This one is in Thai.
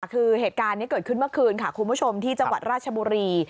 คือเหตุการณ์นี้เกิดขึ้นเมื่อคืนค่ะคุณผู้ชมที่จังหวัดราชบุรี